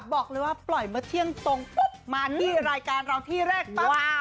บอกเลยว่าปล่อยเมื่อเที่ยงตรงปุ๊บมาที่รายการเราที่แรกต่อ